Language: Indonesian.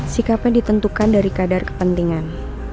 sikapnya ditentukan dari kadar kepentingan